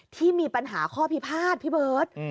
ที่มีปัญหาข้อพิพาทพี่เบิร์ต